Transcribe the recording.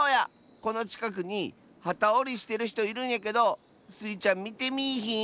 このちかくにはたおりしてるひといるんやけどスイちゃんみてみいひん？